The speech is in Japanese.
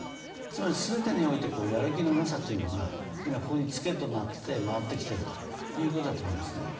つまり全てにおいてやる気のなさというのが今ここにツケとなって回ってきているということだと思いますね。